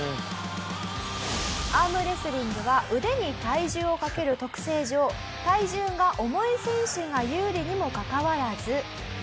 アームレスリングは腕に体重をかける特性上体重が重い選手が有利にもかかわらず。